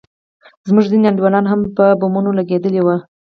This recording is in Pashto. زموږ ځينې انډيولان هم په بمانو لگېدلي وو.